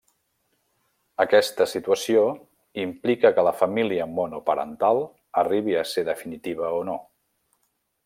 Aquesta situació implica que la família monoparental arribi a ser definitiva o no.